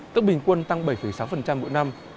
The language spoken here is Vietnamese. tức bình quân tăng bảy sáu mỗi năm